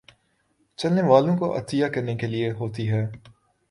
چلنے والوں کوعطیہ کرنے کے لیے ہوتی ہے